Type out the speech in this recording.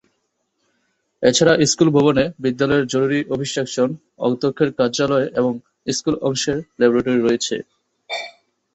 এছাড়া স্কুল ভবনে বিদ্যালয়ের জরুরী অফিস সেকশন, অধ্যক্ষের কার্যালয় এবং স্কুল অংশের ল্যাবরেটরি রয়েছে।